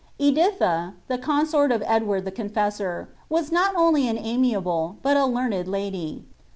Eiiilha, the consort of Edward the Confessor, was not only an JUninble, but a learned lady.